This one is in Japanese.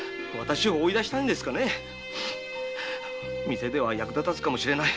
店では役立たずかもしれない。